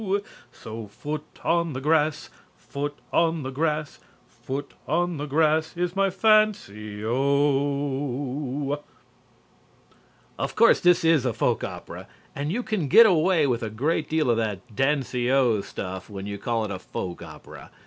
So foot on the grass, Foot on the grass, Foot on the grass is my fancy, O!_" Of course this is a folk opera. And you can get away with a great deal of that "dancy o" stuff when you call it a folk opera.